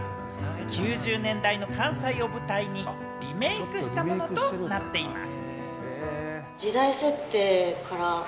９０年代の関西を舞台にリメークしたものとなっています。